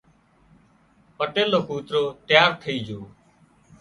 پٽيل نو ڪوترو تيار ٿئي جھو